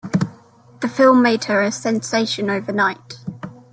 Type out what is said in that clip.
The film made her a sensation overnight.